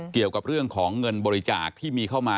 เกี่ยวกับเรื่องของเงินบริจาคที่มีเข้ามา